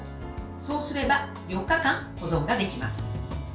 そうすれば４日間保存ができます。